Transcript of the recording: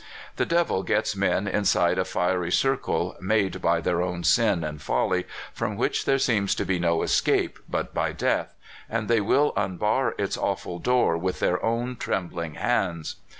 The devil gets men inside a fiery cir cle, made by their own sin and folly, from which there seems to be no escape but b}' death, and they will unbar its awful door with their own trembling hands.